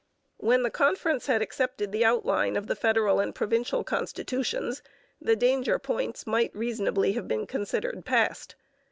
When the conference had accepted the outline of the federal and provincial constitutions the danger points might reasonably have been considered past.